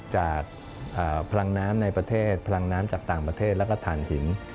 จากพลังน้ำในประเทศพลังน้ำจากต่างประเทศแล้วก็ฐานหิน